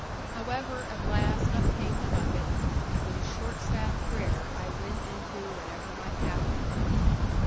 However, at last up came the bucket; and with a short sad prayer I went into whatever might happen.